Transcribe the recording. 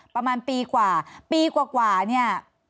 ประมาณปีกว่าปีกว่าเนี่ย